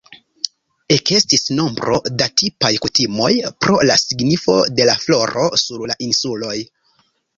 Ekestis nombro da tipaj kutimoj pro la signifo de la floro sur la insuloj.